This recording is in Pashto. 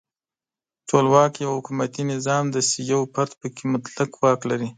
ټولواک یو حکومتي نظام دی چې یو فرد پکې مطلق واک لري.